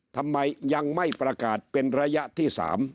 ทำไมยังไม่ประกาศเป็นระยะที่๓